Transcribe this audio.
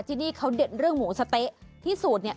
ที่นี่เขาเด็ดเรื่องหมูสะเต๊ะที่สูตรเนี่ย